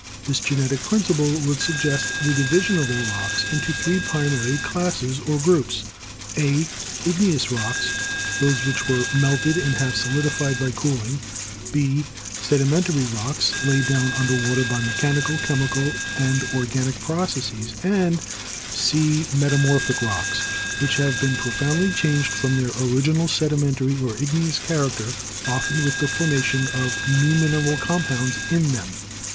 This genetic principle would suggest the division of all rocks into three primary classes or groups: (a) Igneous Rocks, those which were melted and have solidi fied by cooling; (b) Sedimentary Rocks, laid down under water by mechanical, chemical and organic processes ; and (c) Metamorphic Rocks, which have been profoundly changed from their original sedimentary or igneous char acter, often with the formation of new mineral compounds in them.